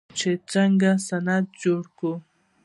چې څنګه صنعت جوړ کړو.